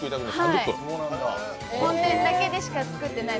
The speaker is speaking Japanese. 本店だけでしか作ってない